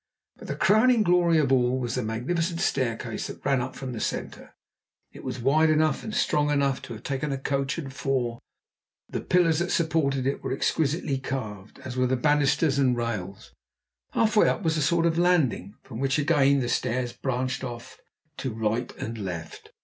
But the crowning glory of all was the magnificent staircase that ran up from the centre. It was wide enough and strong enough to have taken a coach and four, the pillars that supported it were exquisitely carved, as were the banisters and rails. Half way up was a sort of landing, from which again the stairs branched off to right and left.